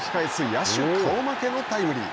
野手顔負けのタイムリー。